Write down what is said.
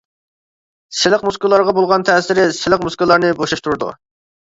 سىلىق مۇسكۇللارغا بولغان تەسىرى: سىلىق مۇسكۇللارنى بوشاشتۇرىدۇ.